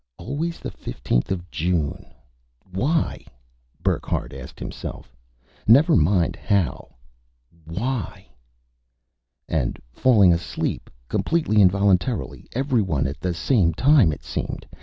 Always the fifteenth of June. Why? Burckhardt asked himself. Never mind the how. Why? And falling asleep, completely involuntarily everyone at the same time, it seemed.